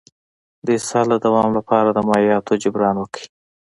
د اسهال د دوام لپاره د مایعاتو جبران وکړئ